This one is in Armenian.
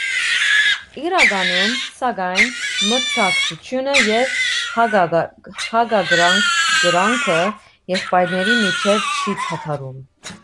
Իրականում, սակայն, մրցակցությունը և հակակրանքը եղբայրների միջև չի դադարում։